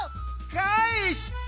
かえして！